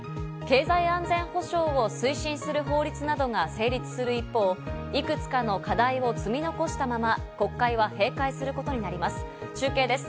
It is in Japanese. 経済安全保障を推進する法律などが成立する一方、いくつかの課題を積み残したまま国会は閉会することになります。